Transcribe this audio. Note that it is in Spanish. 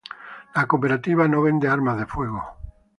La cooperativa no vende armas de fuego.